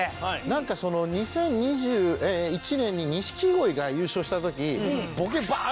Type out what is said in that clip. なんかその２０２１年に錦鯉が優勝した時ボケバーン！